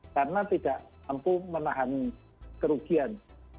karena tidak mampu menahan kerugian